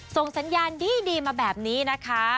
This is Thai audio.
ส่งสัญญาณดีมาแบบนี้นะคะ